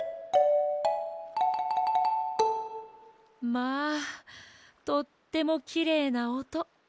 まあとってもきれいなおと。